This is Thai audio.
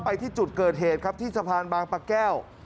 ไปที่จุดเกิดเหตุครับที่สะพานบางปะแก้ว